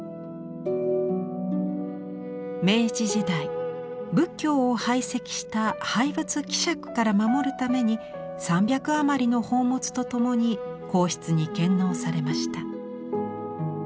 明治時代仏教を排斥した廃仏毀釈から守るために３００余りの宝物と共に皇室に献納されました。